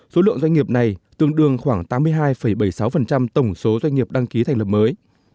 số lượng doanh nghiệp này tương đương khoảng tám mươi hai bảy mươi sáu tổng số doanh nghiệp đăng ký thành lập mới